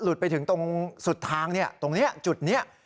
หลุดไปถึงตรงสุดทางเนี้ยตรงเนี้ยจุดเนี้ย